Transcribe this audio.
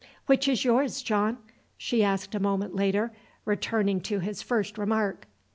"Which is yours, John?" she asked a moment later, returning to his first remark.